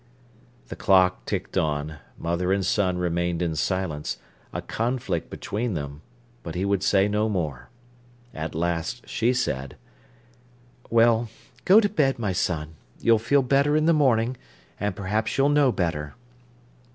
The clock ticked on; mother and son remained in silence, a conflict between them; but he would say no more. At last she said: "Well, go to bed, my son. You'll feel better in the morning, and perhaps you'll know better."